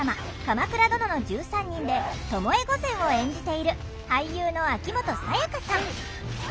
「鎌倉殿の１３人」で巴御前を演じている俳優の秋元才加さん。